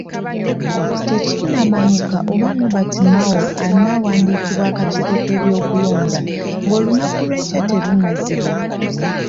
Tekinnamanyika oba Nobert Mao anaawandiikibwa akakiiko k'ebyokulonda ng'olunaku lw'enkya terunnaziba.